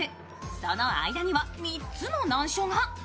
その間には３つの難所が。